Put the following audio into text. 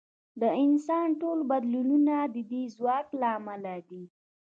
د انسان ټول بدلونونه د دې ځواک له امله دي.